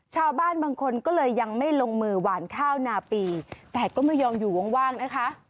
ชาวบ้านบางคนก็เลยยังไม่ลงมือหวานข้าวนาปีแต่ก็ไม่ยอมอยู่ว่างนะคะ